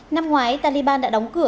năm ngoái taliban đã đóng cửa